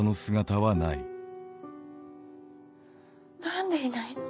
何でいないの？